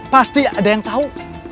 pasti ada yang tahu